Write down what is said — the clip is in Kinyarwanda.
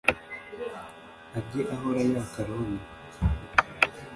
ajye ahora yaka aroni